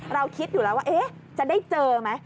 เราคิดอยู่แล้วว่าจะได้เจอไหม